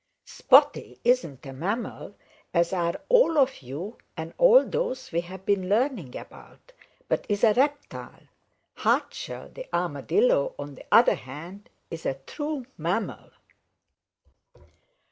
Spotty isn't a mammal, as are all of you and all those we have been learning about, but is a reptile. Hardshell the Armadillo, on the other hand, is a true mammal."